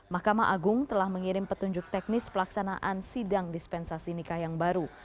mahkamah agung telah mengirim petunjuk teknis pelaksanaan sidang dispensasi nikah yang baru